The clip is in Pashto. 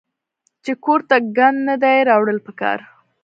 چې کور ته ګند نۀ دي راوړل پکار